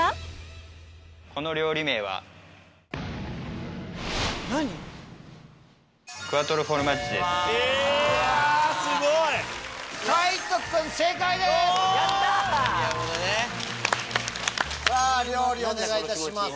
料理お願いいたします。